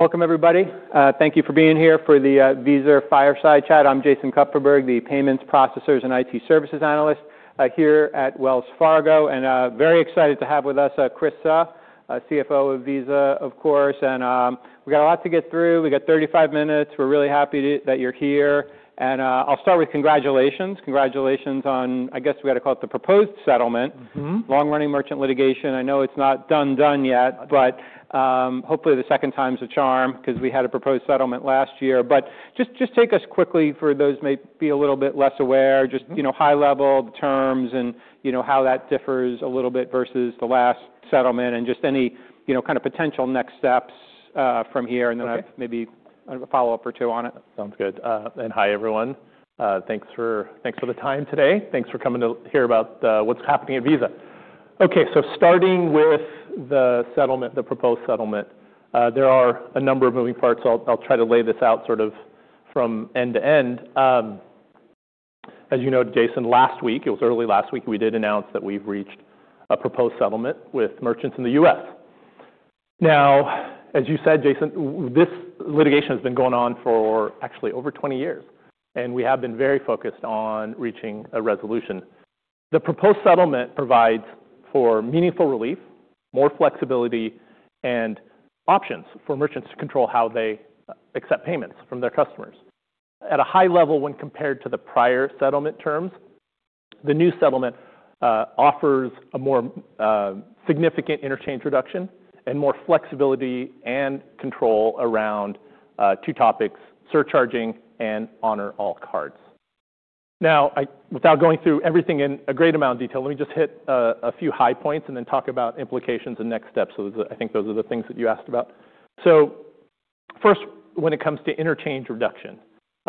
Welcome, everybody. Thank you for being here for the Visa Fireside Chat. I'm Jason Kupferberg, the Payments Processors and IT Services Analyst here at Wells Fargo. Very excited to have with us Chris Suh, CFO of Visa, of course. We've got a lot to get through. We've got 35 minutes. We're really happy that you're here. I'll start with congratulations. Congratulations on, I guess we've got to call it the proposed settlement, long-running merchant litigation. I know it's not done-done yet, but hopefully the second time's a charm, because we had a proposed settlement last year. Just take us quickly, for those who may be a little bit less aware, just high-level terms and how that differs a little bit versus the last settlement, and just any kind of potential next steps from here. I'll have maybe a follow-up or two on it. Sounds good. Hi, everyone. Thanks for the time today. Thanks for coming to hear about what's happening at Visa. Okay, starting with the settlement, the proposed settlement, there are a number of moving parts. I'll try to lay this out sort of from end to end. As you know, Jason, last week, it was early last week, we did announce that we've reached a proposed settlement with merchants in the us Now, as you said, Jason, this litigation has been going on for actually over 20 years. We have been very focused on reaching a resolution. The proposed settlement provides for meaningful relief, more flexibility, and options for merchants to control how they accept payments from their customers. At a high level, when compared to the prior settlement terms, the new settlement offers a more significant interchange reduction and more flexibility and control around two topics, surcharging and honor all cards. Now, without going through everything in a great amount of detail, let me just hit a few high points and then talk about implications and next steps. I think those are the things that you asked about. First, when it comes to interchange reduction,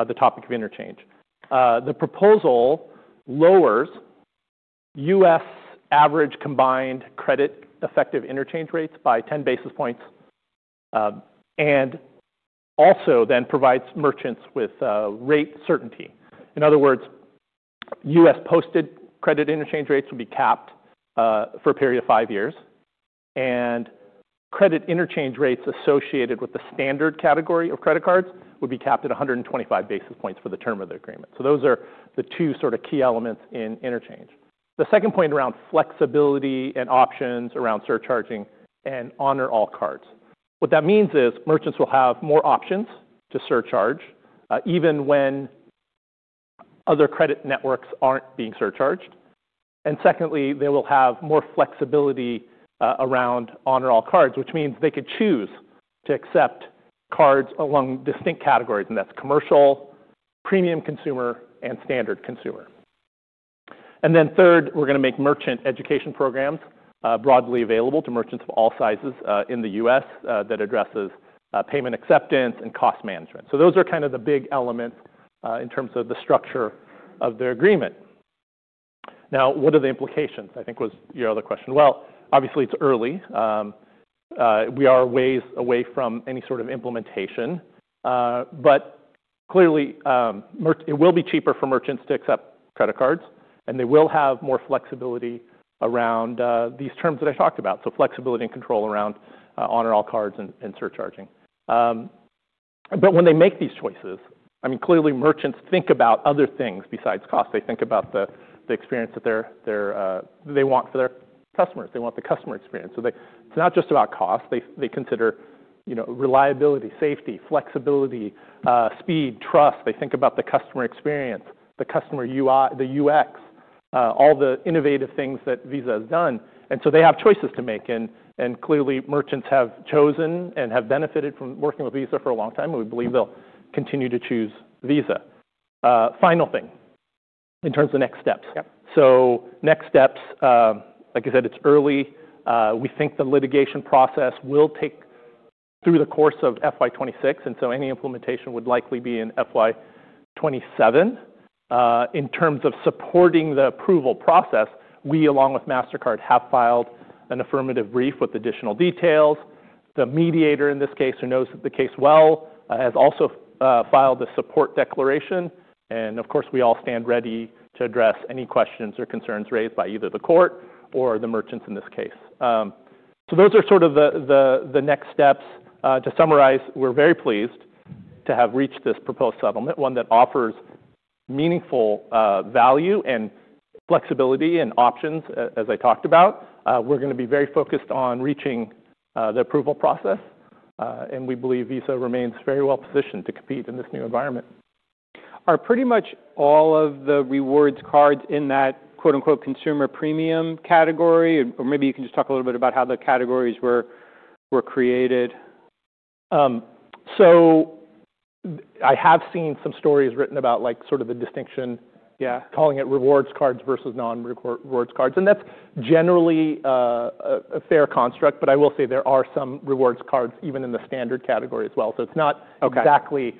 the topic of interchange, the proposal lowers U.S. average combined credit effective interchange rates by 10 basis points and also then provides merchants with rate certainty. In other words, U.S. posted credit interchange rates will be capped for a period of five years. Credit interchange rates associated with the standard category of credit cards would be capped at 125 basis points for the term of the agreement. Those are the two sort of key elements in interchange. The second point around flexibility and options around surcharging and honor all cards. What that means is merchants will have more options to surcharge, even when other credit networks are not being surcharged. Secondly, they will have more flexibility around honor all cards, which means they could choose to accept cards along distinct categories. That is commercial, premium consumer, and standard consumer. Third, we are going to make merchant education programs broadly available to merchants of all sizes in the United States that address payment acceptance and cost management. Those are kind of the big elements in terms of the structure of the agreement. What are the implications, I think was your other question? Obviously, it is early. We are ways away from any sort of implementation. Clearly, it will be cheaper for merchants to accept credit cards. They will have more flexibility around these terms that I talked about, so flexibility and control around honor all cards and surcharging. When they make these choices, I mean, clearly, merchants think about other things besides cost. They think about the experience that they want for their customers. They want the customer experience. It is not just about cost. They consider reliability, safety, flexibility, speed, trust. They think about the customer experience, the customer UX, all the innovative things that Visa has done. They have choices to make. Clearly, merchants have chosen and have benefited from working with Visa for a long time. We believe they will continue to choose Visa. Final thing in terms of next steps. Next steps, like I said, it is early. We think the litigation process will take through the course of FY 2026. Any implementation would likely be in FY 2027. In terms of supporting the approval process, we, along with Mastercard, have filed an affirmative brief with additional details. The mediator in this case, who knows the case well, has also filed a support declaration. Of course, we all stand ready to address any questions or concerns raised by either the court or the merchants in this case. Those are sort of the next steps. To summarize, we're very pleased to have reached this proposed settlement, one that offers meaningful value and flexibility and options, as I talked about. We're going to be very focused on reaching the approval process. We believe Visa remains very well positioned to compete in this new environment. Are pretty much all of the rewards cards in that quote unquote consumer premium category? Or maybe you can just talk a little bit about how the categories were created. I have seen some stories written about sort of the distinction, calling it rewards cards versus non-rewards cards. That's generally a fair construct. I will say there are some rewards cards even in the standard category as well. It's not exactly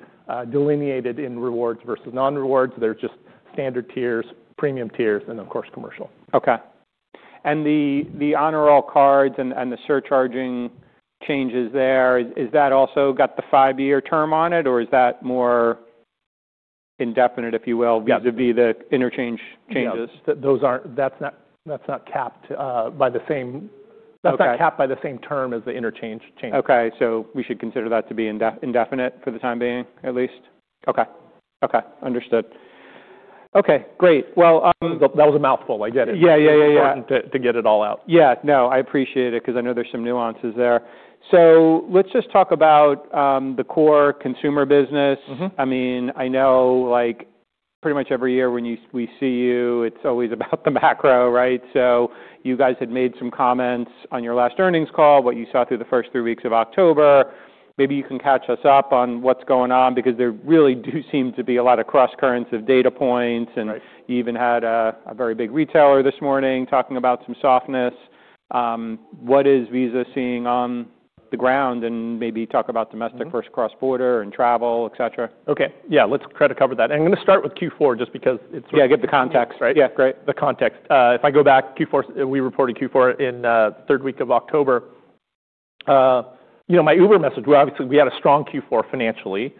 delineated in rewards versus non-rewards. There are just standard tiers, premium tiers, and of course, commercial. Okay. The honor all cards and the surcharging changes there, is that also got the five-year term on it? Or is that more indefinite, if you will, the interchange changes? That's not capped by the same term as the interchange changes. Okay, so we should consider that to be indefinite for the time being, at least. Okay, understood. Great. That was a mouthful. I get it. Yeah. To get it all out. Yeah, no, I appreciate it, because I know there's some nuances there. Let's just talk about the core consumer business. I mean, I know pretty much every year when we see you, it's always about the macro, right? You guys had made some comments on your last earnings call, what you saw through the first three weeks of October. Maybe you can catch us up on what's going on, because there really do seem to be a lot of cross currents of data points. You even had a very big retailer this morning talking about some softness. What is Visa seeing on the ground? Maybe talk about domestic versus cross-border and travel, etc. Okay, yeah, let's try to cover that. I'm going to start with Q4, just because it's. Yeah, I get the context, right? Yeah, great. The context. If I go back, we reported Q4 in the third week of October. You know, my Uber message, obviously, we had a strong Q4 financially.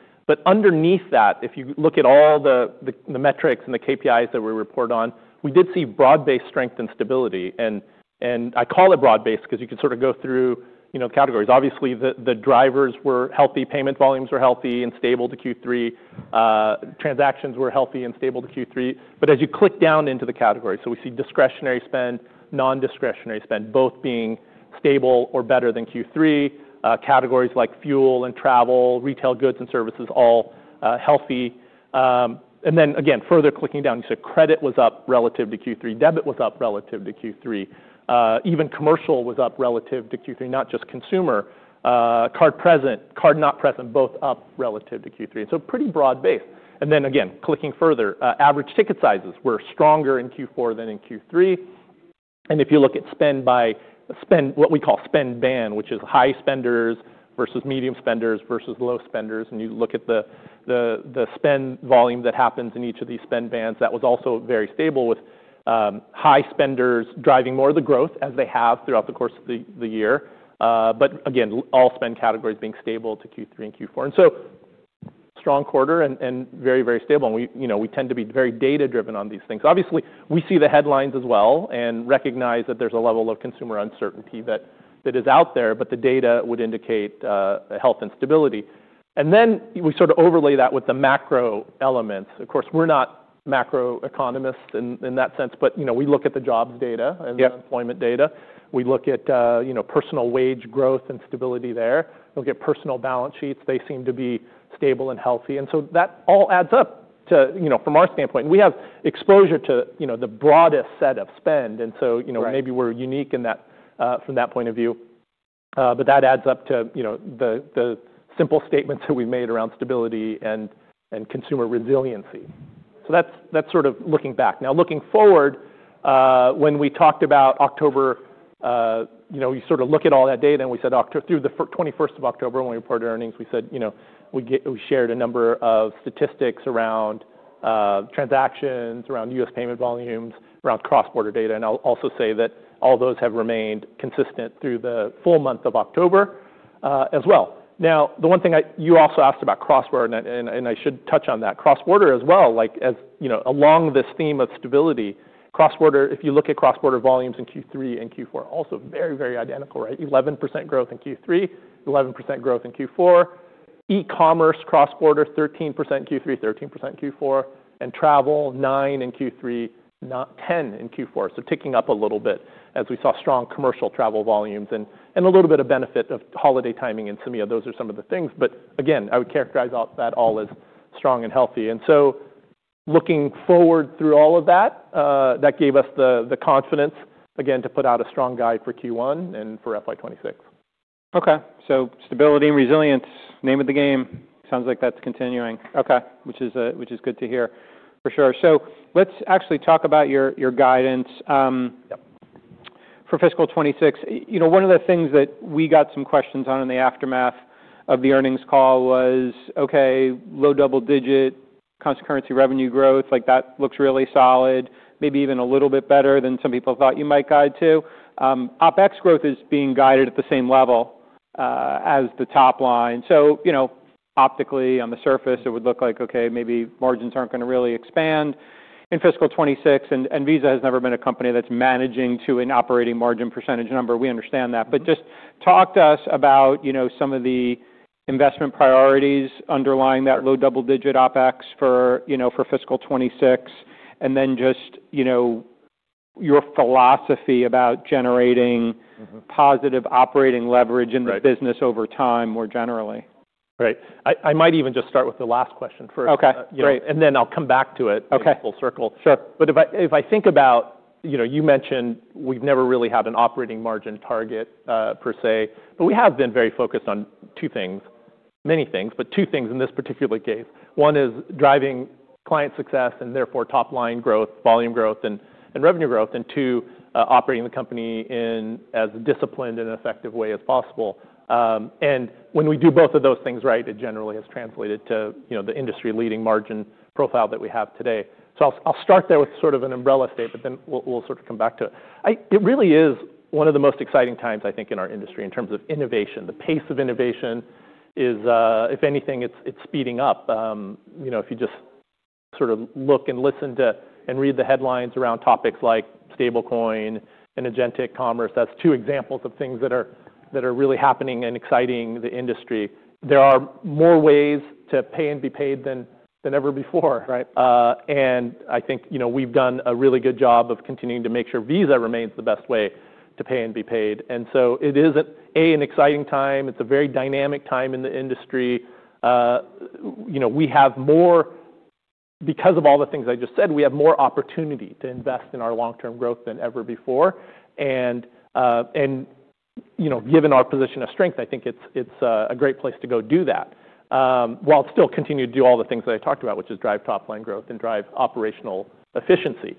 Underneath that, if you look at all the metrics and the KPIs that we report on, we did see broad-based strength and stability. I call it broad-based, because you could sort of go through categories. Obviously, the drivers were healthy. Payment volumes were healthy and stable to Q3. Transactions were healthy and stable to Q3. As you click down into the categories, we see discretionary spend, non-discretionary spend, both being stable or better than Q3. Categories like fuel and travel, retail goods and services, all healthy. Further clicking down, you see credit was up relative to Q3. Debit was up relative to Q3. Even commercial was up relative to Q3, not just consumer. Card present, card not present, both up relative to Q3. Pretty broad-based. Clicking further, average ticket sizes were stronger in Q4 than in Q3. If you look at spend by what we call spend band, which is high spenders versus medium spenders versus low spenders, and you look at the spend volume that happens in each of these spend bands, that was also very stable, with high spenders driving more of the growth as they have throughout the course of the year. All spend categories being stable to Q3 and Q4. Strong quarter and very, very stable. We tend to be very data-driven on these things. Obviously, we see the headlines as well and recognize that there's a level of consumer uncertainty that is out there. The data would indicate health and stability. We sort of overlay that with the macro elements. Of course, we're not macro economists in that sense. We look at the jobs data and the employment data. We look at personal wage growth and stability there. Look at personal balance sheets. They seem to be stable and healthy. That all adds up from our standpoint. We have exposure to the broadest set of spend. Maybe we're unique from that point of view. That adds up to the simple statements that we made around stability and consumer resiliency. That's sort of looking back. Now, looking forward, when we talked about October, you sort of look at all that data. We said through the 21st of October, when we reported earnings, we shared a number of statistics around transactions, around U.S. payment volumes, around cross-border data. I'll also say that all those have remained consistent through the full month of October as well. The one thing you also asked about, cross-border, and I should touch on that, cross-border as well, along this theme of stability. If you look at cross-border volumes in Q3 and Q4, also very, very identical, right? 11% growth in Q3, 11% growth in Q4. E-commerce cross-border, 13% in Q3, 13% in Q4. Travel, 9% in Q3, 10% in Q4. Ticking up a little bit, as we saw strong commercial travel volumes and a little bit of benefit of holiday timing in SEMIA. Those are some of the things. I would characterize that all as strong and healthy. Looking forward through all of that, that gave us the confidence, again, to put out a strong guide for Q1 and for FY 2026. Okay, so stability and resilience, name of the game. Sounds like that's continuing, which is good to hear, for sure. Let's actually talk about your guidance for fiscal 2026. One of the things that we got some questions on in the aftermath of the earnings call was, Okay, low double-digit constant currency revenue growth. That looks really solid, maybe even a little bit better than some people thought you might guide to. OpEx growth is being guided at the same level as the top line. Optically, on the surface, it would look like, Okay, maybe margins aren't going to really expand in fiscal 2026. Visa has never been a company that's managing to an operating margin percentage number. We understand that. Just talk to us about some of the investment priorities underlying that low double-digit OpEx for fiscal 2026. Just your philosophy about generating positive operating leverage in the business over time more generally. Right. I might even just start with the last question first. Then I'll come back to it in full circle. If I think about, you mentioned we've never really had an operating margin target per se. We have been very focused on two things, many things, but two things in this particular case. One is driving client success and therefore top line growth, volume growth, and revenue growth. Two, operating the company in as disciplined and effective way as possible. When we do both of those things right, it generally has translated to the industry leading margin profile that we have today. I'll start there with sort of an umbrella statement. Then we'll sort of come back to it. It really is one of the most exciting times, I think, in our industry in terms of innovation. The pace of innovation is, if anything, it's speeding up. If you just sort of look and listen to and read the headlines around topics like stablecoin and agentic commerce, that's two examples of things that are really happening and exciting the industry. There are more ways to pay and be paid than ever before. I think we've done a really good job of continuing to make sure Visa remains the best way to pay and be paid. It is, A, an exciting time. It's a very dynamic time in the industry. We have more, because of all the things I just said, we have more opportunity to invest in our long-term growth than ever before. Given our position of strength, I think it's a great place to go do that, while still continuing to do all the things that I talked about, which is drive top line growth and drive operational efficiency.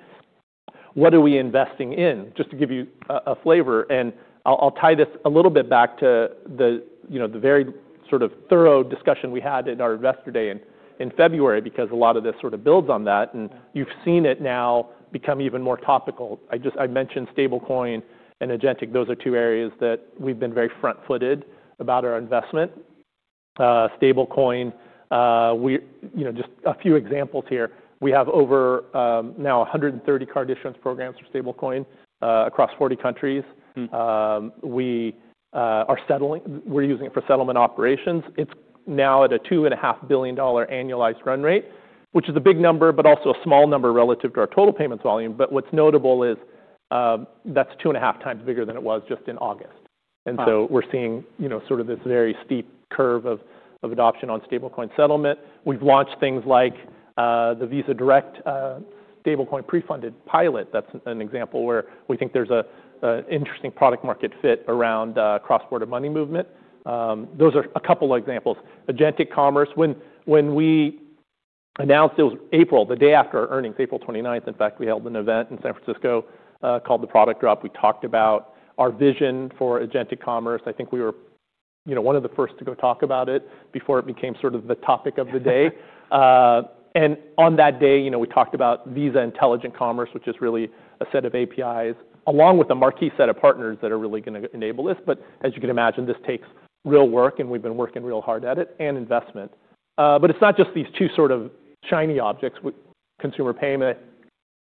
What are we investing in? Just to give you a flavor. I'll tie this a little bit back to the very sort of thorough discussion we had at our investor day in February, because a lot of this sort of builds on that. You have seen it now become even more topical. I mentioned stablecoin and agentic. Those are two areas that we've been very front-footed about our investment. Stablecoin, just a few examples here. We have over now 130 card issuance programs for stablecoin across 40 countries. We're using it for settlement operations. It's now at a $2.5 billion annualized run rate, which is a big number, but also a small number relative to our total payments volume. What's notable is that's 2.5 times bigger than it was just in August. We are seeing sort of this very steep curve of adoption on stablecoin settlement. We've launched things like the Visa Direct stablecoin pre-funded pilot. That's an example where we think there's an interesting product market fit around cross-border money movement. Those are a couple of examples. Agentic commerce, when we announced it was April, the day after our earnings, April 29, in fact, we held an event in San Francisco called the Product Drop. We talked about our vision for agentic commerce. I think we were one of the first to go talk about it before it became sort of the topic of the day. On that day, we talked about Visa Intelligent Commerce, which is really a set of APIs, along with a marquee set of partners that are really going to enable this. As you can imagine, this takes real work. We have been working real hard at it and investment. It is not just these two sort of shiny objects, consumer payment,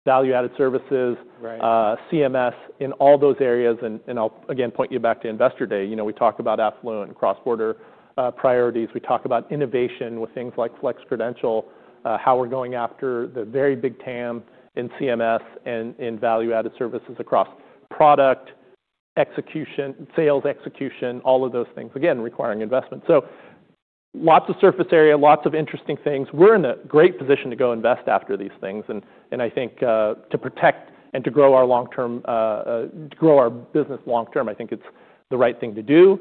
value-added services, CMS, in all those areas. I will again point you back to investor day. We talk about Aflo and cross-border priorities. We talk about innovation with things like Flex Credential, how we are going after the very big TAM in CMS and in value-added services across product execution, sales execution, all of those things, again, requiring investment. Lots of surface area, lots of interesting things. We are in a great position to go invest after these things. I think to protect and to grow our business long term, I think it's the right thing to do.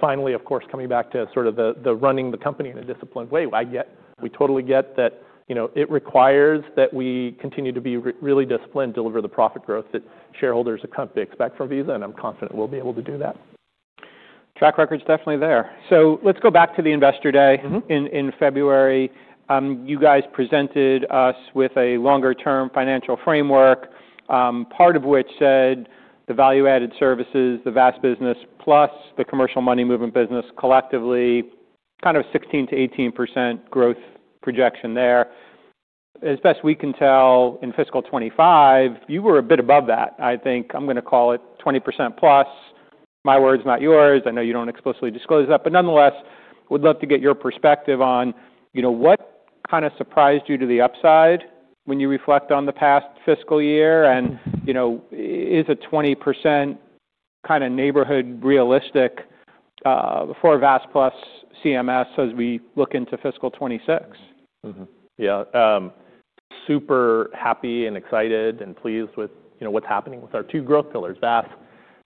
Finally, of course, coming back to sort of the running the company in a disciplined way, we totally get that it requires that we continue to be really disciplined and deliver the profit growth that shareholders expect from Visa. I'm confident we'll be able to do that. Track record's definitely there. Let's go back to the investor day in February. You guys presented us with a longer-term financial framework, part of which said the value-added services, the VAS business, plus the commercial money movement business collectively, kind of 16%-18% growth projection there. As best we can tell, in fiscal 2025, you were a bit above that, I think. I'm going to call it 20% plus. My words, not yours. I know you don't explicitly disclose that. Nonetheless, we'd love to get your perspective on what kind of surprised you to the upside when you reflect on the past fiscal year? Is a 20% kind of neighborhood realistic for VAS plus CMS as we look into fiscal 2026? Yeah, super happy and excited and pleased with what's happening with our two growth pillars, VAS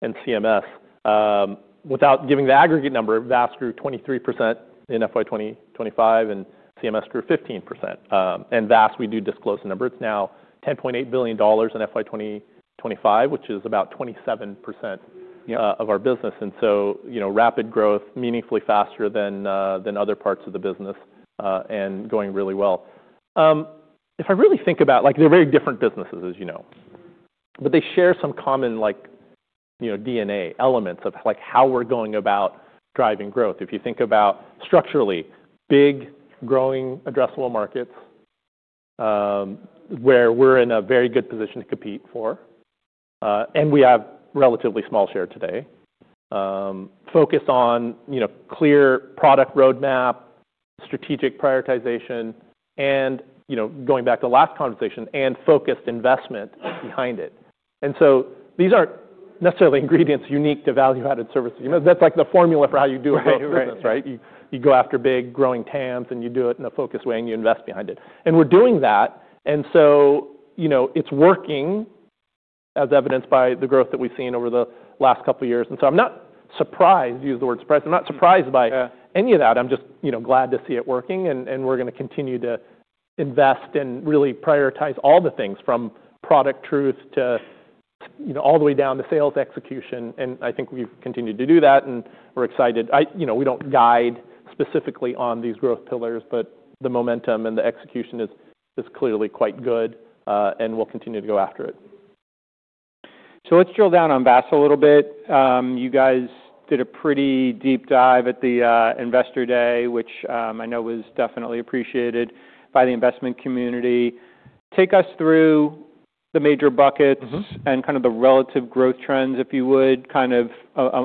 and CMS. Without giving the aggregate number, VAS grew 23% in FY 2025 and CMS grew 15%. And VAS, we do disclose the number. It's now $10.8 billion in FY 2025, which is about 27% of our business. And so rapid growth, meaningfully faster than other parts of the business and going really well. If I really think about, they're very different businesses, as you know. But they share some common DNA elements of how we're going about driving growth. If you think about structurally big, growing, addressable markets where we're in a very good position to compete for, and we have a relatively small share today, focus on clear product roadmap, strategic prioritization, and going back to the last conversation, and focused investment behind it. These aren't necessarily ingredients unique to value-added services. That is like the formula for how you do a business, right? You go after big, growing TAMs, and you do it in a focused way, and you invest behind it. We are doing that. It is working, as evidenced by the growth that we have seen over the last couple of years. I am not surprised, to use the word surprised, I am not surprised by any of that. I am just glad to see it working. We are going to continue to invest and really prioritize all the things from product truth all the way down to sales execution. I think we have continued to do that. We are excited. We do not guide specifically on these growth pillars. The momentum and the execution is clearly quite good. We will continue to go after it. Let's drill down on VAS a little bit. You guys did a pretty deep dive at the investor day, which I know was definitely appreciated by the investment community. Take us through the major buckets and kind of the relative growth trends, if you would, kind of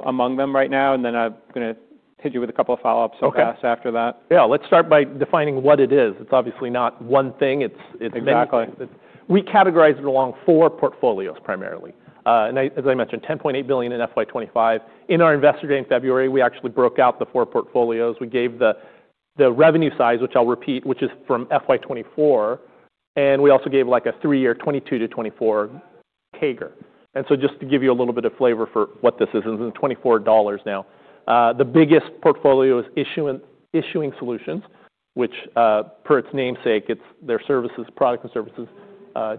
among them right now. I am going to hit you with a couple of follow-ups on VAS after that. Yeah, let's start by defining what it is. It's obviously not one thing. Exactly. We categorize it along four portfolios, primarily. As I mentioned, $10.8 billion in FY 2025. In our investor day in February, we actually broke out the four portfolios. We gave the revenue size, which I'll repeat, which is from FY 2024. We also gave like a three-year, 2022 to 2024 CAGR. Just to give you a little bit of flavor for what this is, this is $24 now. The biggest portfolio is Issuing Solutions, which, per its namesake, their services, products, and services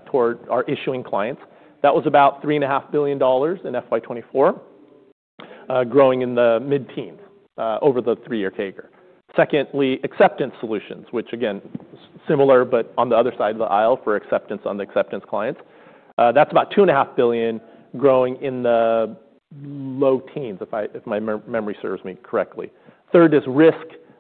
toward our issuing clients. That was about $3.5 billion in FY 2024, growing in the mid-teens over the three-year CAGR. Secondly, Acceptance Solutions, which, again, similar but on the other side of the aisle for acceptance on the acceptance clients. That is about $2.5 billion growing in the low teens, if my memory serves me correctly. Third is Risk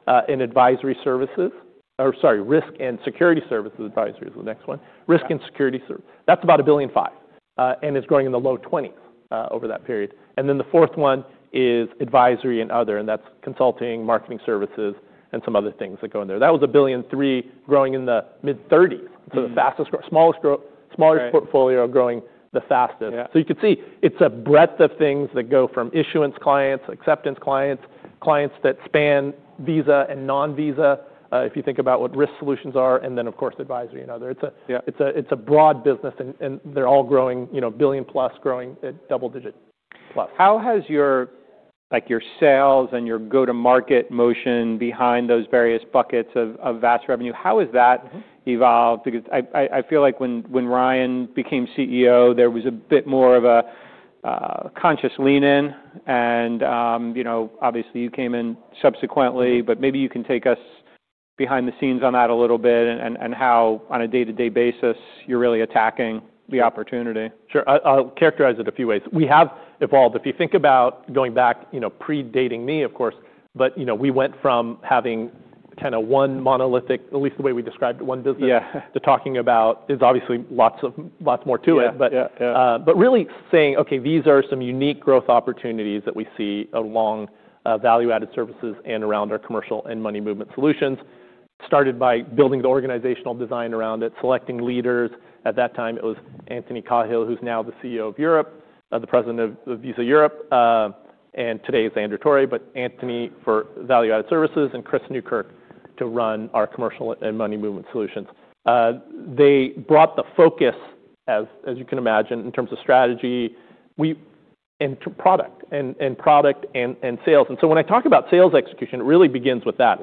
and Advisory Services, or sorry, Risk and Security Services Advisory is the next one. Risk and Security Services, that's about $1.5 billion. It's growing in the low 20s over that period. The fourth one is Advisory and Other. That's Consulting, Marketing Services, and some other things that go in there. That was $1.3 billion growing in the mid-30s. The smallest portfolio growing the fastest. You can see it's a breadth of things that go from issuance clients, acceptance clients, clients that span Visa and non-Visa, if you think about what risk solutions are, and then, of course, Advisory and Other. It's a broad business. They're all growing $1 billion plus, growing at double-digit plus. How has your sales and your go-to-market motion behind those various buckets of VAS revenue, how has that evolved? I feel like when Ryan became CEO, there was a bit more of a conscious lean-in. Obviously, you came in subsequently. Maybe you can take us behind the scenes on that a little bit and how, on a day-to-day basis, you're really attacking the opportunity. Sure. I'll characterize it a few ways. We have evolved. If you think about going back, pre-dating me, of course, but we went from having kind of one monolithic, at least the way we described it, one business, to talking about, there's obviously lots more to it. But really saying, Okay, these are some unique growth opportunities that we see along value-added services and around our commercial and money movement solutions, started by building the organizational design around it, selecting leaders. At that time, it was Anthony Cahill, who's now the president of Visa Europe, and today's Andrew Torre. But Anthony for value-added services and Chris Newkirk to run our commercial and money movement solutions. They brought the focus, as you can imagine, in terms of strategy and product and sales. And so when I talk about sales execution, it really begins with that.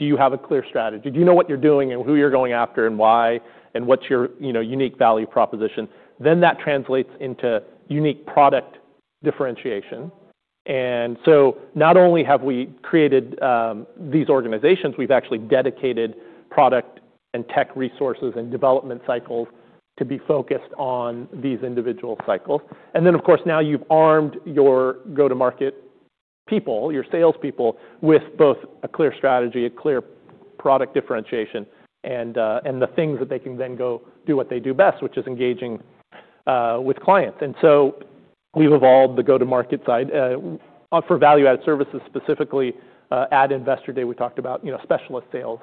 Do you have a clear strategy? Do you know what you're doing and who you're going after and why and what's your unique value proposition? That translates into unique product differentiation. Not only have we created these organizations, we've actually dedicated product and tech resources and development cycles to be focused on these individual cycles. Of course, now you've armed your go-to-market people, your salespeople, with both a clear strategy, a clear product differentiation, and the things that they can then go do what they do best, which is engaging with clients. We have evolved the go-to-market side for value-added services. Specifically, at investor day, we talked about specialist sales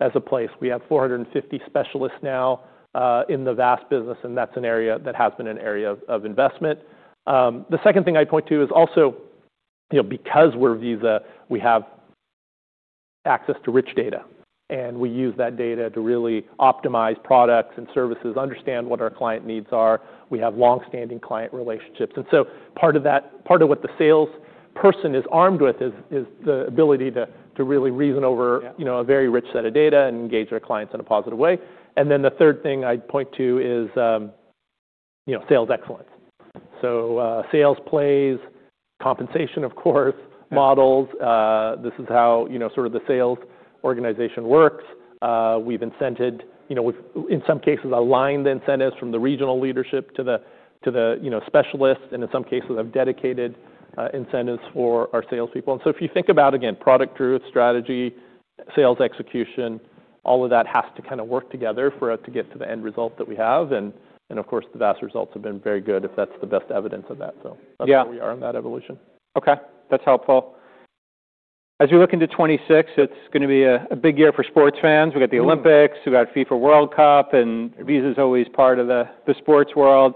as a place. We have 450 specialists now in the VAS business. That has been an area of investment. The second thing I'd point to is also, because we're Visa, we have access to rich data. And we use that data to really optimize products and services, understand what our client needs are. We have long-standing client relationships. Part of what the salesperson is armed with is the ability to really reason over a very rich set of data and engage our clients in a positive way. The third thing I'd point to is sales excellence. Sales plays, compensation, of course, models. This is how sort of the sales organization works. We've incented, in some cases, aligned the incentives from the regional leadership to the specialists. In some cases, I've dedicated incentives for our salespeople. If you think about, again, product truth, strategy, sales execution, all of that has to kind of work together for us to get to the end result that we have. Of course, the VAS results have been very good, if that's the best evidence of that. That is where we are in that evolution. Okay, that's helpful. As we look into 2026, it's going to be a big year for sports fans. We've got the Olympics. We've got FIFA World Cup. Visa is always part of the sports world.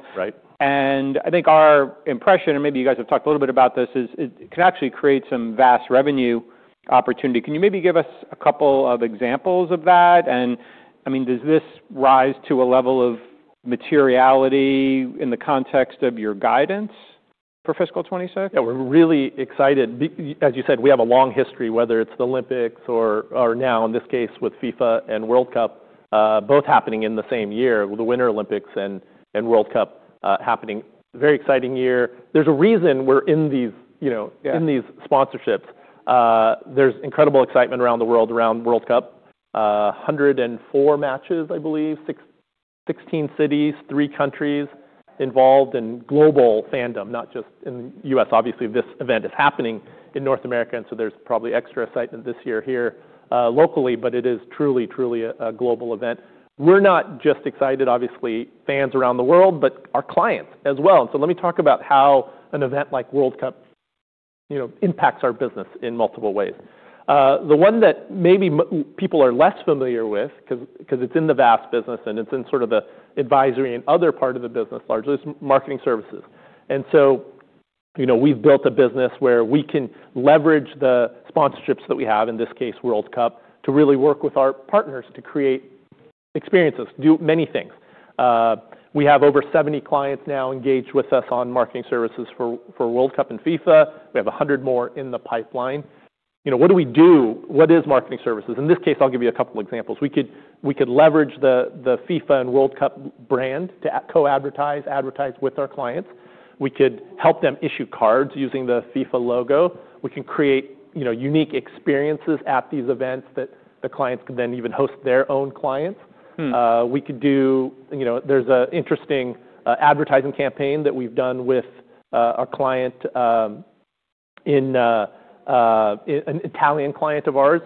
I think our impression, and maybe you guys have talked a little bit about this, is it can actually create some vast revenue opportunity. Can you maybe give us a couple of examples of that? I mean, does this rise to a level of materiality in the context of your guidance for fiscal 2026? Yeah, we're really excited. As you said, we have a long history, whether it's the Olympics or now, in this case, with FIFA and World Cup both happening in the same year, the Winter Olympics and World Cup happening. Very exciting year. There's a reason we're in these sponsorships. There's incredible excitement around the world around World Cup, 104 matches, I believe, 16 cities, three countries involved, and global fandom, not just in the U.S. Obviously, this event is happening in North America. There's probably extra excitement this year here locally. It is truly, truly a global event. We're not just excited, obviously, fans around the world, but our clients as well. Let me talk about how an event like World Cup impacts our business in multiple ways. The one that maybe people are less familiar with, because it's in the VAS business and it's in sort of the advisory and other part of the business largely, is marketing services. We've built a business where we can leverage the sponsorships that we have, in this case, World Cup, to really work with our partners to create experiences, do many things. We have over 70 clients now engaged with us on marketing services for World Cup and FIFA. We have 100 more in the pipeline. What do we do? What is marketing services? In this case, I'll give you a couple of examples. We could leverage the FIFA and World Cup brand to co-advertise, advertise with our clients. We could help them issue cards using the FIFA logo. We can create unique experiences at these events that the clients can then even host their own clients. We could do, there's an interesting advertising campaign that we've done with our client, an Italian client of ours.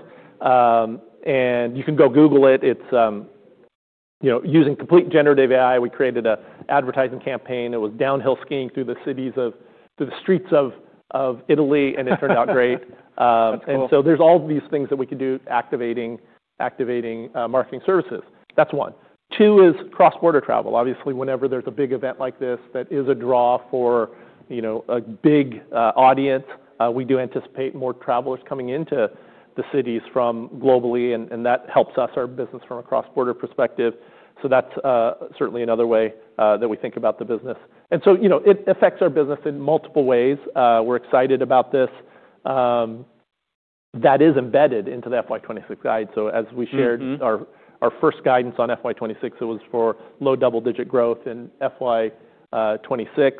And you can go Google it. It's using complete generative AI. We created an advertising campaign. It was downhill skiing through the cities of the streets of Italy. It turned out great. There are all these things that we could do activating marketing services. That's one. Two is cross-border travel. Obviously, whenever there's a big event like this that is a draw for a big audience, we do anticipate more travelers coming into the cities from globally. That helps us, our business, from a cross-border perspective. That's certainly another way that we think about the business. It affects our business in multiple ways. We're excited about this. That is embedded into the FY 2026 guide. As we shared our first guidance on FY 2026, it was for low double-digit growth. In FY 2026,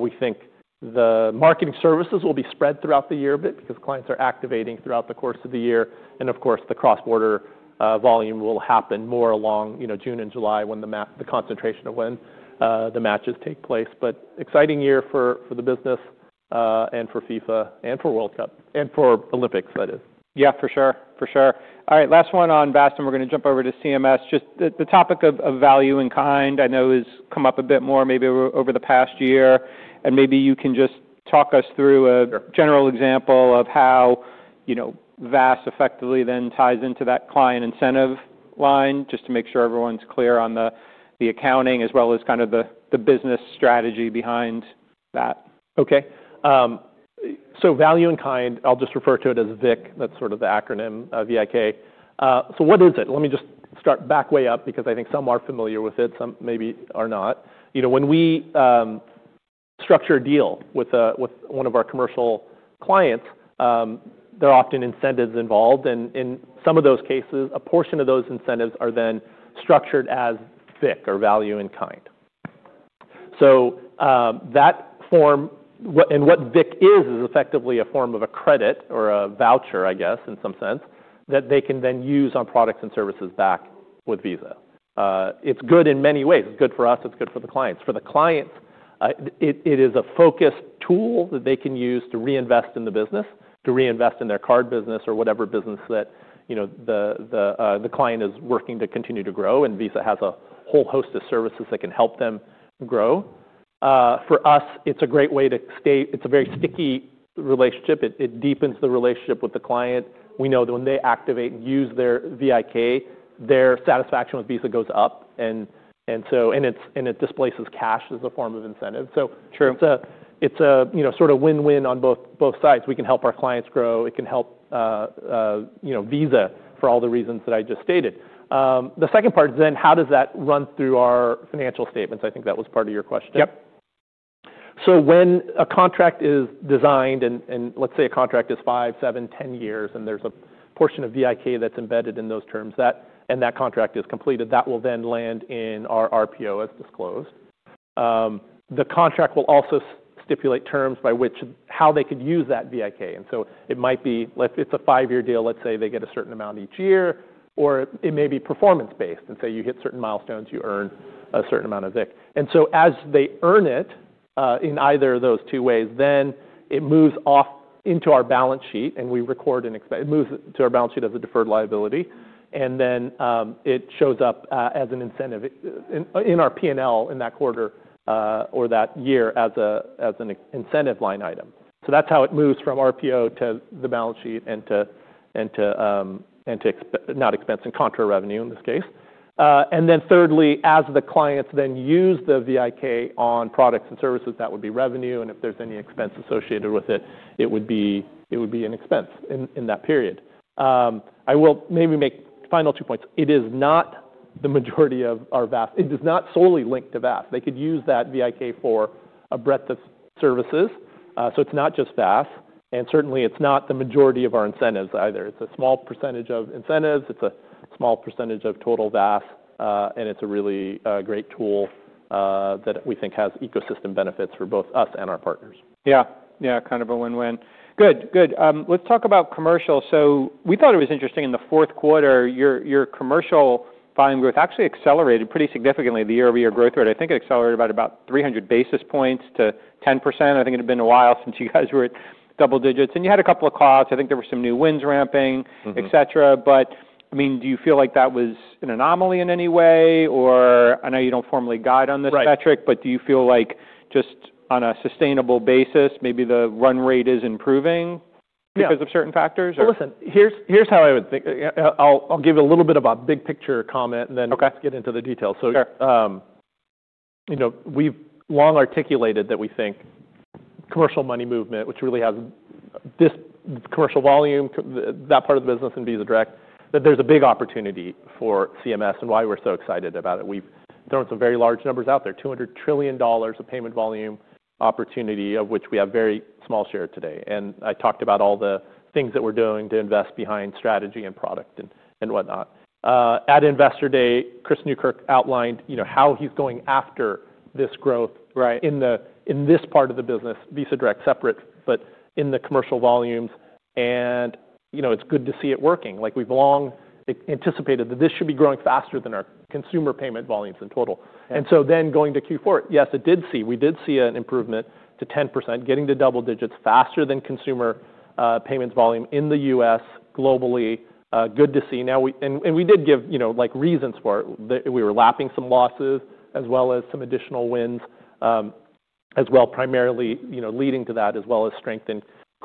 we think the marketing services will be spread throughout the year a bit because clients are activating throughout the course of the year. Of course, the cross-border volume will happen more along June and July when the concentration of when the matches take place. Exciting year for the business and for FIFA and for World Cup and for Olympics, that is. Yeah, for sure. For sure. All right, last one on VAS. And we're going to jump over to CMS. Just the topic of value in kind, I know, has come up a bit more maybe over the past year. And maybe you can just talk us through a general example of how VAS effectively then ties into that client incentive line, just to make sure everyone's clear on the accounting as well as kind of the business strategy behind that. Okay. Value in kind, I'll just refer to it as VIK. That's sort of the acronym, V-I-K. What is it? Let me just start back way up, because I think some are familiar with it, some maybe are not. When we structure a deal with one of our commercial clients, there are often incentives involved. In some of those cases, a portion of those incentives are then structured as VIK or value in kind. That form, and what VIK is, is effectively a form of a credit or a voucher, I guess, in some sense, that they can then use on products and services back with Visa. It's good in many ways. It's good for us. It's good for the clients. For the clients, it is a focused tool that they can use to reinvest in the business, to reinvest in their card business or whatever business that the client is working to continue to grow. Visa has a whole host of services that can help them grow. For us, it's a great way to stay. It's a very sticky relationship. It deepens the relationship with the client. We know that when they activate and use their VIK, their satisfaction with Visa goes up. It displaces cash as a form of incentive. It is a sort of win-win on both sides. We can help our clients grow. It can help Visa for all the reasons that I just stated. The second part is then how does that run through our financial statements? I think that was part of your question. Yep. When a contract is designed, and let's say a contract is five, seven, 10 years, and there's a portion of VIK that's embedded in those terms, and that contract is completed, that will then land in our RPO as disclosed. The contract will also stipulate terms by which how they could use that VIK. It might be, if it's a five-year deal, let's say they get a certain amount each year, or it may be performance-based. Say you hit certain milestones, you earn a certain amount of VIK. As they earn it in either of those two ways, then it moves off into our balance sheet. We record and expend. It moves to our balance sheet as a deferred liability. Then it shows up as an incentive in our P&L in that quarter or that year as an incentive line item. That is how it moves from RPO to the balance sheet and to not expense and contra revenue in this case. Thirdly, as the clients then use the VIK on products and services, that would be revenue. If there is any expense associated with it, it would be an expense in that period. I will maybe make final two points. It is not the majority of our VAS. It is not solely linked to VAS. They could use that VIK for a breadth of services. It is not just VAS. Certainly, it is not the majority of our incentives either. It is a small percentage of incentives. It is a small percentage of total VAS. It is a really great tool that we think has ecosystem benefits for both us and our partners. Yeah. Yeah, kind of a win-win. Good. Good. Let's talk about commercial. So we thought it was interesting. In the fourth quarter, your commercial volume growth actually accelerated pretty significantly. The year-over-year growth rate, I think it accelerated by about 300 basis points to 10%. I think it had been a while since you guys were at double digits. And you had a couple of clouds. I think there were some new wins ramping, etc. But I mean, do you feel like that was an anomaly in any way? Or I know you don't formally guide on this metric. But do you feel like just on a sustainable basis, maybe the run rate is improving because of certain factors? Listen, here's how I would think. I'll give you a little bit of a big picture comment and then get into the details. We've long articulated that we think commercial money movement, which really has this commercial volume, that part of the business, and Visa Direct, that there's a big opportunity for CMS and why we're so excited about it. We've thrown some very large numbers out there, $200 trillion of payment volume opportunity, of which we have a very small share today. I talked about all the things that we're doing to invest behind strategy and product and whatnot. At investor day, Chris Newkirk outlined how he's going after this growth in this part of the business, Visa Direct separate, but in the commercial volumes. It's good to see it working. We've long anticipated that this should be growing faster than our consumer payment volumes in total. Going to Q4, yes, we did see an improvement to 10%, getting to double digits faster than consumer payments volume in the us, globally. Good to see. We did give reasons for it. We were lapping some losses as well as some additional wins as well, primarily leading to that, as well as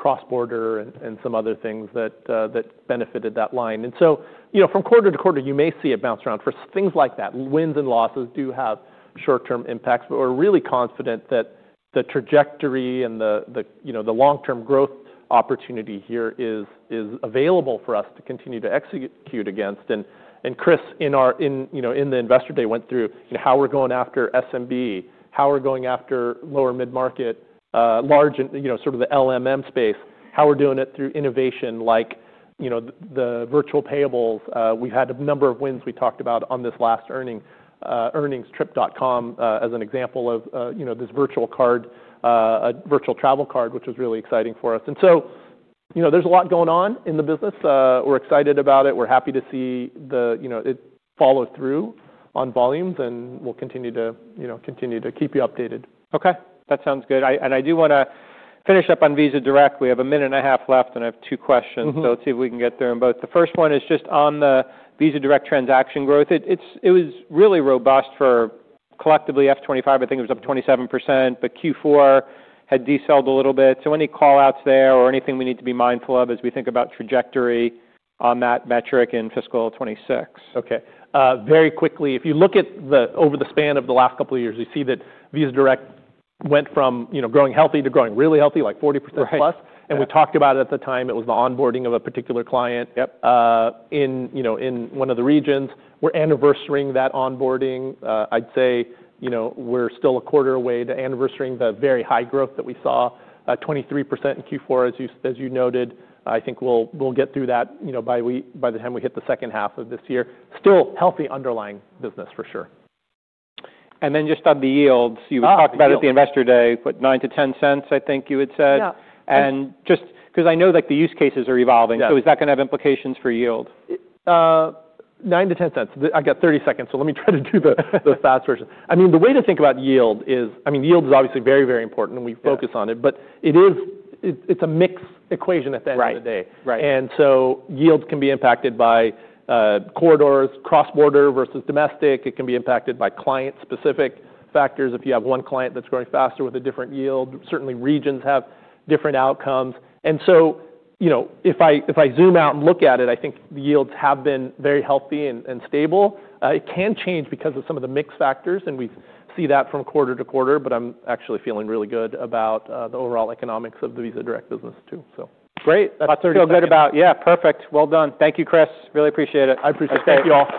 strengthened cross-border and some other things that benefited that line. From quarter-to-quarter, you may see it bounce around for things like that. Wins and losses do have short-term impacts. We're really confident that the trajectory and the long-term growth opportunity here is available for us to continue to execute against. Chris, in the investor day, went through how we're going after SMB, how we're going after lower mid-market, large, sort of the LMM space, how we're doing it through innovation like the virtual payables. We've had a number of wins we talked about on this last earnings, Trip.com as an example of this virtual card, a virtual travel card, which was really exciting for us. There is a lot going on in the business. We're excited about it. We're happy to see it follow through on volumes. We'll continue to keep you updated. Okay. That sounds good. I do want to finish up on Visa Direct. We have a minute and a half left. I have two questions. Let's see if we can get through them both. The first one is just on the Visa Direct transaction growth. It was really robust for collectively fiscal 2025. I think it was up 27%. Q4 had decelled a little bit. Any callouts there or anything we need to be mindful of as we think about trajectory on that metric in fiscal 2026? Okay. Very quickly, if you look at over the span of the last couple of years, we see that Visa Direct went from growing healthy to growing really healthy, like 40% plus. And we talked about it at the time. It was the onboarding of a particular client in one of the regions. We're anniversarying that onboarding. I'd say we're still a quarter away to anniversarying the very high growth that we saw, 23% in Q4, as you noted. I think we'll get through that by the time we hit the second half of this year. Still healthy underlying business, for sure. Just on the yields, you were talking about at the investor day, what, $0.09 to $0.10, I think you had said? Yeah. Just because I know that the use cases are evolving, is that going to have implications for yield? Nine to 10 cents. I've got 30 seconds. Let me try to do the fast version. I mean, the way to think about yield is, I mean, yield is obviously very, very important. We focus on it. It is a mixed equation at the end of the day. Yields can be impacted by corridors, cross-border versus domestic. It can be impacted by client-specific factors. If you have one client that is growing faster with a different yield, certainly regions have different outcomes. If I zoom out and look at it, I think the yields have been very healthy and stable. It can change because of some of the mixed factors. We see that from quarter-to-quarter. I am actually feeling really good about the overall economics of the Visa Direct business too. Great. That's still good about. Yeah, perfect. Well done. Thank you, Chris. Really appreciate it. I appreciate it. Thank you all.